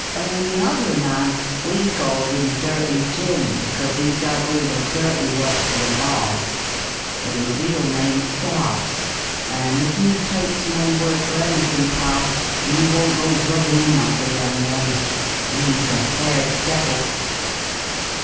And the other man? We calls 'im Dirty Jim, because 'e does all the dirty work for the boss; but 'is real name's Dobbs. And if you takes my word for anything, pal, you won't go rubbin' 'im up the wrong way. 'E's a fair devil!"